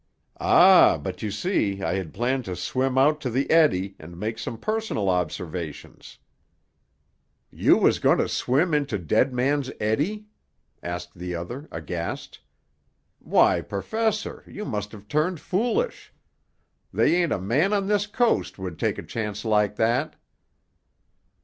"Ah, but you see, I had planned to swim out to the eddy, and make some personal observations." "You was going to swim into Dead Man's Eddy?" asked the other, aghast. "Why, Perfessor, you must have turned foolish. They ain't a man on this coast would take a chance like that."